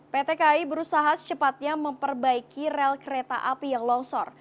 pt kai berusaha secepatnya memperbaiki rel kereta api yang longsor